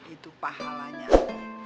itu pahalanya rum